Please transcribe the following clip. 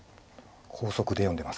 高速で読んでます。